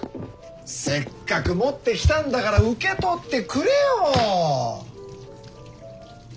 せっかく持ってきたんだから受け取ってくれよ。